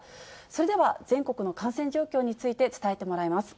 それでは全国の感染状況について、伝えてもらいます。